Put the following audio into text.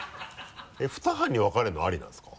ふた班に分かれるのありなんですか？